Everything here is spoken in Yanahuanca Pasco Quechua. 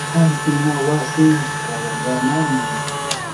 hampina wasi raqallanami.